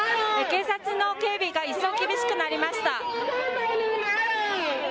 警察の警備が一層厳しくなりました。